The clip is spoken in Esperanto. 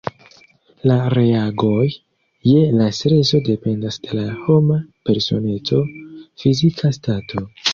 La reagoj je la streso dependas de la homa personeco, fizika stato.